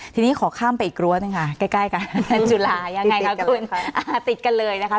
ทีนี้ขอข้ามไปอีกรั้วหนึ่งค่ะใกล้กันจุฬายังไงคะคุณติดกันเลยนะคะ